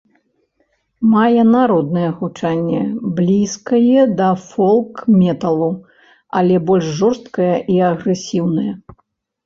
Мае народнае гучанне, блізкае да фолк-металу, але больш жорсткае і агрэсіўнае.